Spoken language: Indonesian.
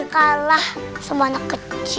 kalah sama anak kecil